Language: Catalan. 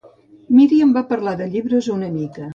Miriam va parlar de llibres una mica.